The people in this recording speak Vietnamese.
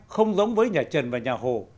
không giống với nhà trần và nhà hồ